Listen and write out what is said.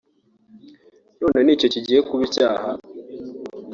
none ni cyo kigiye kuba icyaha